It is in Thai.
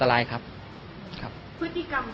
พฤติกรรมของเขาที่จะชอบแอบอ้าน